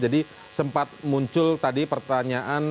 jadi sempat muncul tadi pertanyaan